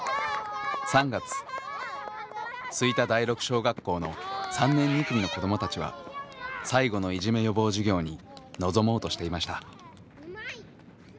吹田第六小学校の３年２組の子どもたちは最後のいじめ予防授業に臨もうとしていました。